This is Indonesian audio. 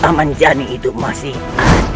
apa yang dilakukan